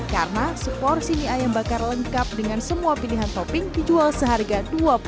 karena seporsi mie ayam bakar lengkap dengan semua pilihan topping dijual seharga rp dua puluh dua